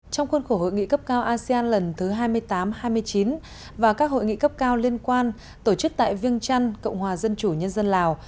trong khuôn khổ hội nghị cấp cao asean lần thứ hai mươi tám hai mươi chín và các hội nghị cấp cao liên quan tổ chức tại viêng trăn cộng hòa dân chủ nhân dân lào